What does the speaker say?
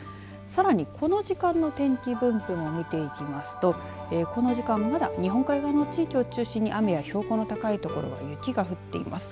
さらにこの時間の天気分布も見ていきますとこの時間まだ、日本海側の地域を中心に雨や標高の高い所は雪が降っています。